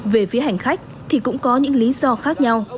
về phía hành khách thì cũng có những lý do khác nhau